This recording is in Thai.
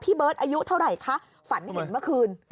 พี่เบิร์ทอายุเท่าอัยค่ะฝันเห็นเมื่อคืน